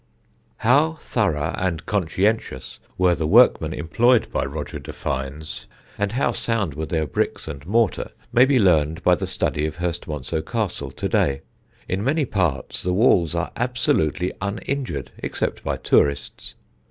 How thorough and conscientious were the workmen employed by Roger de Fiennes, and how sound were their bricks and mortar, may be learned by the study of Hurstmonceux Castle to day. In many parts the walls are absolutely uninjured except by tourists.